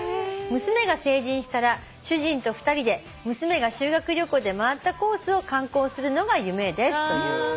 「娘が成人したら主人と２人で娘が修学旅行で回ったコースを観光するのが夢です」という。